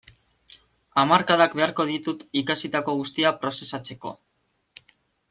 Hamarkadak beharko ditut ikasitako guztia prozesatzeko.